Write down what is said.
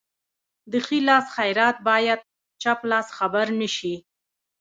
د ښي لاس خیرات باید چپ لاس خبر نشي.